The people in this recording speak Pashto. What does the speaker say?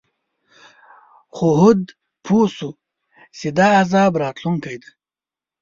خو هود پوه شو چې دا عذاب راتلونکی دی.